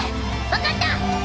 分かった！